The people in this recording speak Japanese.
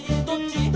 「どっち」